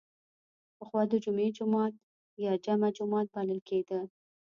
پخوا د جمعې جومات یا جمعه جومات بلل کیده.